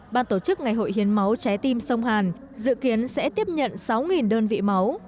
ban tổ chức ngày hội hiến máu trái tim sông hàn dự kiến sẽ tiếp nhận sáu đơn vị máu